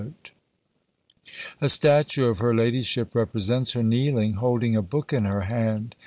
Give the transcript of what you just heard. A statue of her ladyship represents her kneeling, holding a book in her hand.